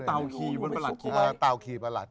คือเตาขี่ประหลัด